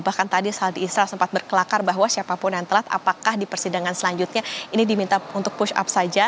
bahkan tadi saldi isra sempat berkelakar bahwa siapapun yang telat apakah di persidangan selanjutnya ini diminta untuk push up saja